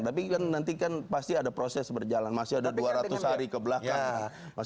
tapi kan nanti kan pasti ada proses berjalan masih ada dua ratus hari kebelakang